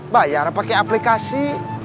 bayar pakai aplikasi